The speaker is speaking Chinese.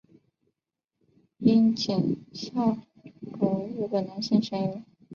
樱井孝宏为日本男性声优。